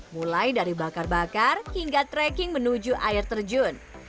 mulai dari bakar bakar hingga trekking menuju air terjun